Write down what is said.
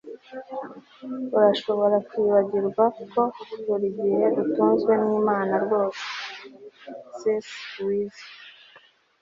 urashobora kwibagirwa ko buri gihe utunzwe n'imana rwose - c s lewis